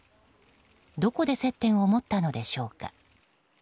どこで接点を持ったのでしょうか。